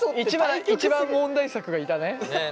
一番問題作がいたね。ね。